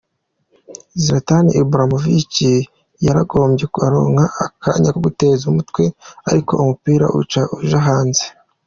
Zlatan Ibrahimovic yaragomboye, araronka akanya ko guteza umutwe ariko umupira uca uja hanze.